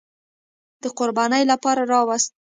د قربانۍ لپاره راوست.